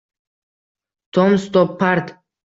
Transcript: Tom Stoppard